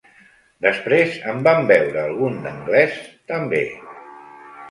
Després en vam veure algun d'anglès, també.